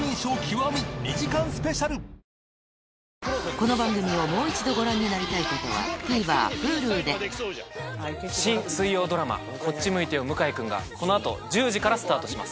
この番組をもう一度ご覧になりたい方はＴＶｅｒＨｕｌｕで新水曜ドラマ『こっち向いてよ向井くん』がこの後１０時からスタートします。